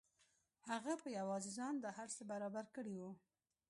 هغه په یوازې ځان دا هر څه برابر کړي وو